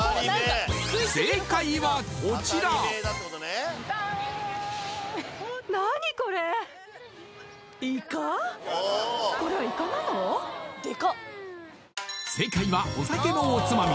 正解はこちら正解はお酒のおつまみ